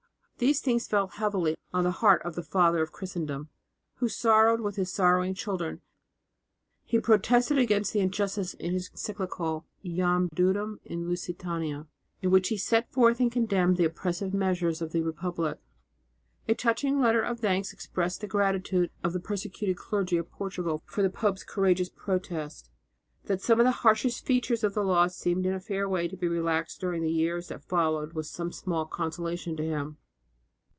These things fell heavily on the heart of the Father of Christendom, who sorrowed with his sorrowing children, He protested against the injustice in his encyclical "Jamdudum in Lusitania," in which he set forth and condemned the oppressive measures of the republic. A touching letter of thanks expressed the gratitude of the persecuted clergy of Portugal for the pope's courageous protest. That some of the harshest features of the law seemed in a fair way to be relaxed during the years that followed was some small consolation to him.